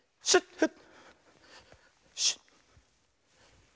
フッ！